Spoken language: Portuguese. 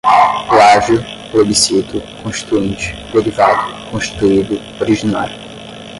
plágio, plebiscito, constituinte, derivado, constituído, originário